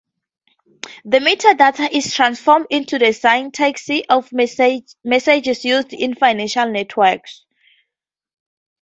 The metadata is transformed into the syntax of messages used in financial networks.